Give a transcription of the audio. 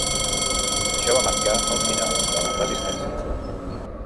Això va marcar el final de la Resistència.